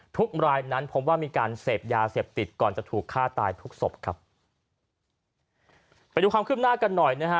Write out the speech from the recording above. ทุกรายนั้นพบว่ามีการเสพยาเสพติดก่อนจะถูกฆ่าตายทุกศพครับไปดูความคืบหน้ากันหน่อยนะฮะ